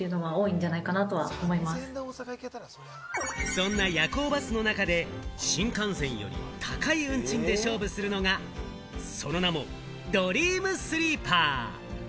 そんな夜行バスの中で新幹線より高い運賃で勝負するのが、その名もドリームスリーパー。